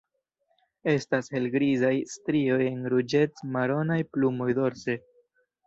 Estas helgrizaj strioj en ruĝec-maronaj plumoj dorse.